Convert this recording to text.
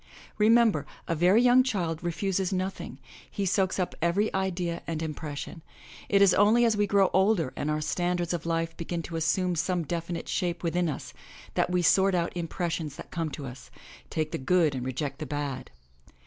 Remem ber, a very young child refuses nothing — he soaks up every idea and impression — it is only as we grow older and our standards of life begin to assume some definite shape within us, that we sort out impressions that come to us, take the good and reject the bad.